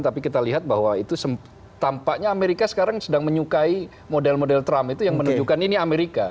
tapi kita lihat bahwa itu tampaknya amerika sekarang sedang menyukai model model trump itu yang menunjukkan ini amerika